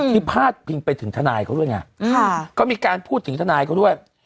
พาดพิงไปถึงทนายเขาด้วยไงก็มีการพูดถึงทนายเขาด้วย